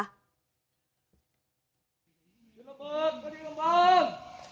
ที่ระเบิดก็ที่กำบัง